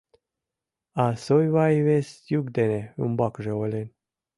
А Сойваи вес йӱк дене умбакыже ойлен.